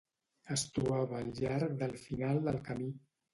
Es trobava al llarg del final del camí.